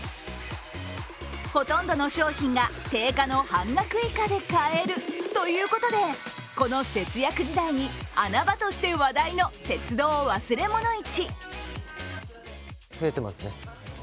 ほとんどの商品が、定価の半額以下で買えるということでこの節約時代に穴場として話題の鉄道忘れ物市。